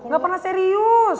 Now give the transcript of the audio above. gak pernah serius